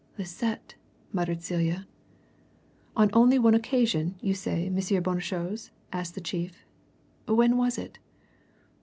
"Lisette!" muttered Celia. "On only one occasion, you say, M. Bonnechose?" asked the chief. "When was it?"